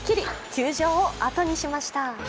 球場をあとにしました。